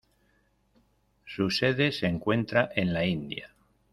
Su sede se encuentra en la India.